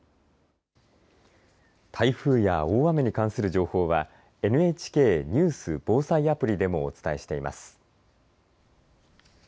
台風や大雨に関する情報はＮＨＫニュース・防災アプリでもお伝えしています。